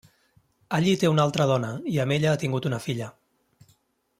Allí té una altra dona i amb ella ha tingut una filla.